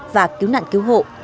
và cứu nạn cứu hộ